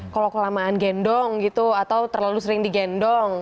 kalau kelamaan gendong gitu atau terlalu sering digendong